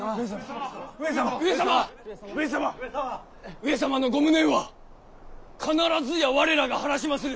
上様のご無念は必ずや我らが晴らしまする！